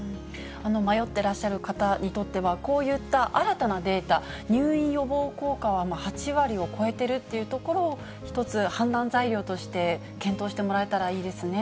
迷ってらっしゃる方にとっては、こういった新たなデータ、入院予防効果は８割を超えてるというところを一つ、判断材料として検討してもらえたらいいですね。